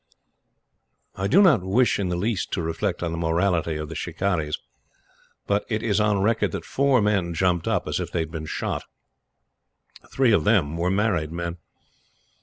I do not wish in the least to reflect on the morality of the "Shikarris;" but it is on record that four men jumped up as if they had been shot. Three of them were married men.